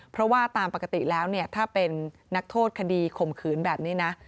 เพราะว่าตามปกติแล้วเนี่ยถ้าเป็นนักโทษคดีข่มขืนแบบนี้นะ